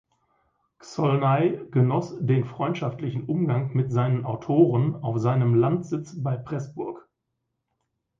Zsolnay genoss den freundschaftlichen Umgang mit seinen Autoren auf seinem Landsitz bei Preßburg.